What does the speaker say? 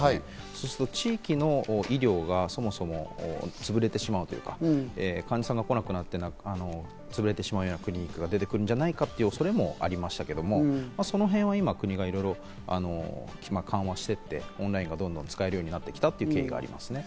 そうすると地域の医療がそもそもつぶれてしまうというか、患者さんが来なくなってつぶれてしまうようなクリニックが出てくるんじゃないかという恐れもありましたけれども、そのへんは今、国がいろいろ緩和していって、オンラインがどんどん使えるようになってきたということがありますね。